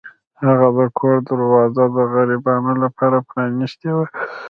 هغه د کور دروازه د غریبانو لپاره پرانیستې وه.